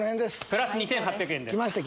プラス２８００円です。